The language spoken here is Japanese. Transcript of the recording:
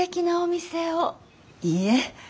いいえ。